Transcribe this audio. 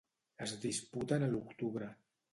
Es disputen a l'octubre.